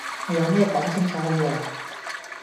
你有咩講清楚好喎